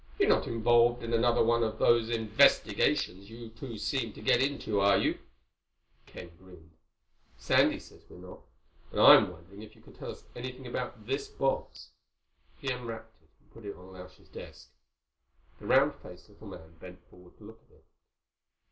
You're not involved in another one of those investigations you two seem to get into, are you?" Ken grinned. "Sandy says we're not. But I'm wondering if you could tell us anything about this box?" He unwrapped it and put it on Lausch's desk. The round faced little man bent forward to look at it.